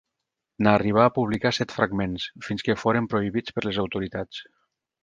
N'arribà a publicar set fragments, fins que foren prohibits per les autoritats.